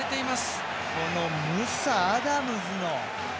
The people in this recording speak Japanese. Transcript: このムサ、アダムズの。